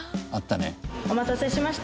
お待たせしました。